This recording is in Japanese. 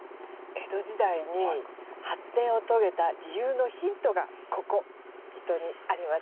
江戸時代に発展を遂げた理由のヒントがここ水戸にありますのでご紹介します。